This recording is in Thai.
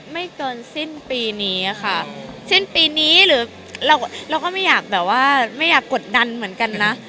ไม่เกินสิ้นปีนี้ค่ะสิ้นปีนี้หรือเราเราก็ไม่อยากแบบว่าไม่อยากกดดันเหมือนกันนะ